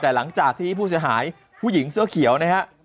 แต่หลังจากที่ผู้เสียหายผู้หญิงเสื้อเขียวนะฮะ